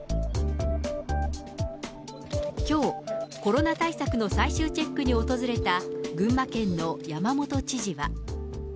きょう、コロナ対策の最終チェックに訪れた、群馬県の山本知事は。